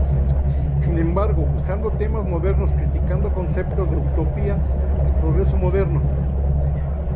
Sin embargo usando temas modernos, criticando conceptos de utopía y progreso moderno.